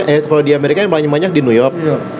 eh kalau di amerika yang paling banyak di new york